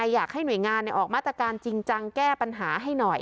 อยากให้หน่วยงานออกมาตรการจริงจังแก้ปัญหาให้หน่อย